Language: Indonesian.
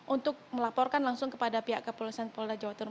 untuk melaporkan langsung kepada pihak kepolisian polda jawa timur